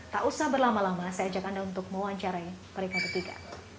tak usah berlama lama saya ajak anda untuk mewawancarai mereka ketiga